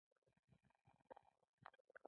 زمری کې د ګرمۍ له امله خلک سیوري ته ځي.